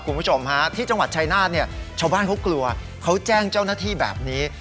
คุณผู้ชมฮะที่จังหวัดชายนาฏเนี่ยชาวบ้านเขากลัวเขาแจ้งเจ้าหน้าที่แบบนี้